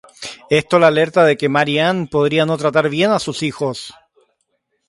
Esto la alerta de que Marie-Anne podría no tratar bien a sus hijos.